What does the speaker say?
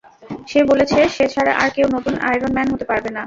সে বলেছে, সে ছাড়া আর কেউ নতুন আয়রন ম্যান হতে পারবে না।